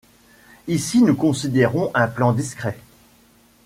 Ici, nous considérons un plan discret.